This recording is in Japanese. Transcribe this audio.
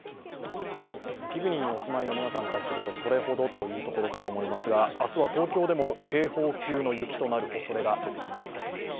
雪国にお住まいの皆さんからするとそれほどというところかと思いますが、明日は東京でも警報級の雪となるおそれが出てきています。